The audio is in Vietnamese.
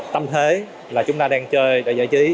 tâm thế là chúng ta đang chơi để giải trí